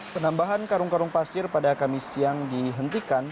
penambahan karung karung pasir pada kamis siang dihentikan